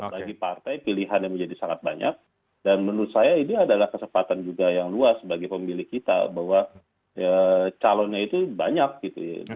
bagi partai pilihan yang menjadi sangat banyak dan menurut saya ini adalah kesempatan juga yang luas bagi pemilih kita bahwa calonnya itu banyak gitu ya